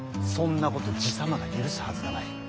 そんなこと爺様が許すはずがない。